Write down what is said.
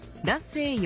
男性